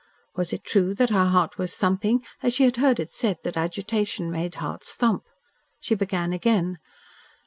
Was it true that her heart was thumping, as she had heard it said that agitation made hearts thump? She began again.